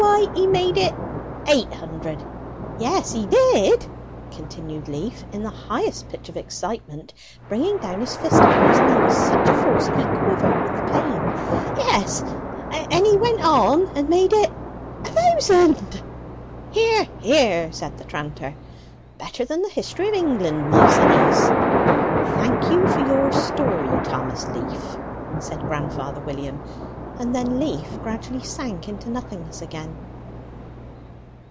Why, he made it eight hundred! Yes, he did," continued Leaf, in the highest pitch of excitement, bringing down his fist upon his knee with such force that he quivered with the pain; "yes, and he went on and made it A THOUSAND!" "Hear, hear!" said the tranter. "Better than the history of England, my sonnies!" "Thank you for your story, Thomas Leaf," said grandfather William; and then Leaf gradually sank into nothingness again.